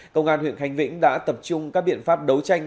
công an huyện khánh vĩnh đã tập trung các biện pháp đấu tranh